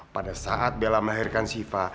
pada saat bella melahirkan sifa